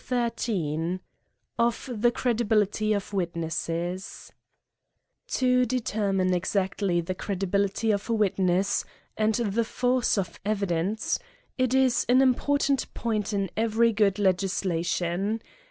XIIL Of the Credihility of Witnesses, TO determine exactl}/ the credibility of a wit ness, and the force of evidence, is an important point in every good legislation.